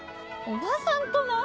「おばさん」とな？